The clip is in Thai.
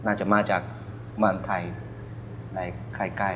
น่าจะมาจากอันดับหมานไทยในใคร่ใกล้